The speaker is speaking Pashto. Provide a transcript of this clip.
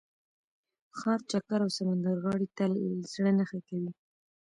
ښار چکر او سمندرغاړې ته زړه نه ښه کوي.